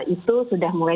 itu sudah mulai